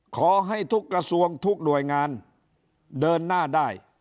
ขอให้ทุกกระทรวงทุกหน่วยงานเดินหน้าได้